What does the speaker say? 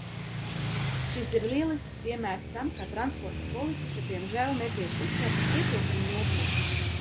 Šis ir lielisks piemērs tam, kā transporta politika diemžēl netiek uztverta pietiekami nopietni.